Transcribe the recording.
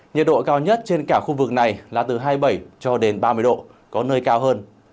nhiệt độ cao nhất trên cả khu vực này là từ hai mươi bảy cho đến ba mươi độ có nơi cao hơn